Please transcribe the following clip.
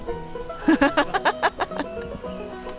ハハハハ！